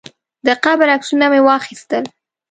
د قبر عکسونه مې واخیستل.